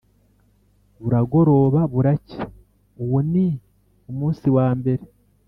Buragoroba buracya, uwo ni umunsi wa mbere.